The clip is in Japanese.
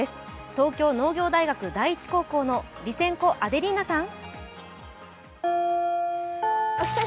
東京農業大学第一高校のリセンコ・アデリーナさん。